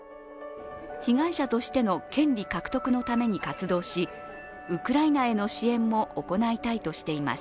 被害者としての権利獲得のために活動しウクライナへの支援も行いたいとしています。